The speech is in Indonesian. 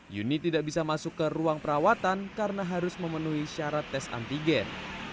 yuni tidak bisa masuk ke ruang perawatan karena harus memenuhi syarat tes antigen